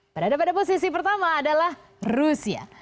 berada pada posisi pertama adalah rusia